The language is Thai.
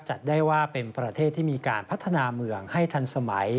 จัดได้ว่าเป็นประเทศที่มีการพัฒนาเมืองให้ทันสมัย